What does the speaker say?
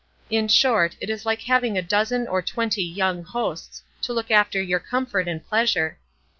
In short, it is like having a dozen or twenty young hosts to look after your comfort and pleasure.